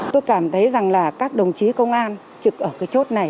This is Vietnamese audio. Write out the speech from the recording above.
tôi cảm thấy rằng là các đồng chí công an trực ở cái chốt này